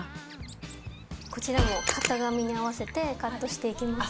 こちらを型紙に合わせてカットしていきます。